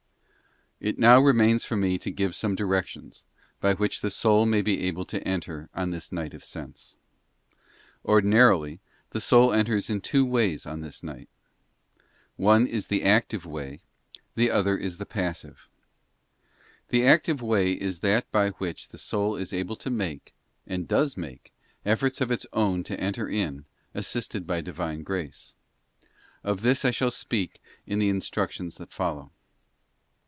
Ir now remains for me to give some directions by which the soul may be able to enter on this night of sense. Ordinarily, the soul enters in two ways on this night: one is the active way, the other is the passive. The active way is that by which the soul is able to make, and does make, efforts of its own to enter in, assisted by divine grace. Of this I shall speak in the instructions that follow.